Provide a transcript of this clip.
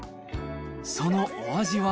そのお味は。